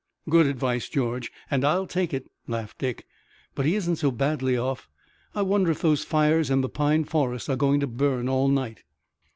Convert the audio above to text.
"Good advice, George, and I'll take it," laughed Dick. "But he isn't so badly off. I wonder if those fires in the pine forest are going to burn all night?"